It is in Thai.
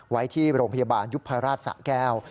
ไว้ที่โรงพยาบาลยุพราชสะแก้ว